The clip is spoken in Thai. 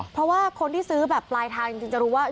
เพราะว่าคนที่ซื้อแบบปลายทางจริงจะรู้ว่า